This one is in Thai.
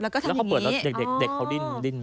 แล้วก็ทำแบบนี้